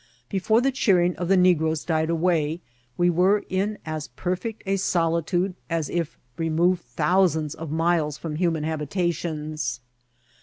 Before the cheering of the negroes died away we were in as perfect a solitude as if re moved thousands of miles from human habitations.